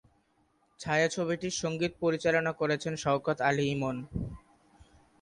ছায়াছবিটির সঙ্গীত পরিচালনা করেছেন শওকত আলী ইমন।